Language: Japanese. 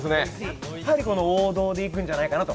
やっぱり王道でいくんじゃないかなと。